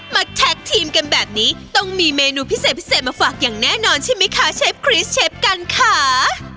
แท็กทีมกันแบบนี้ต้องมีเมนูพิเศษพิเศษมาฝากอย่างแน่นอนใช่ไหมคะเชฟคริสเชฟกันค่ะ